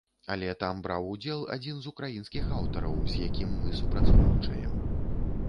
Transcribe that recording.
Але там браў удзел адзін з украінскіх аўтараў, з якім мы супрацоўнічаем.